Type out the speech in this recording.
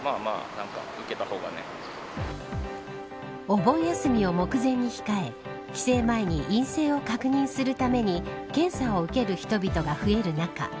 お盆休みを目前に控え帰省前に陰性を確認するために検査を受ける人々が増える中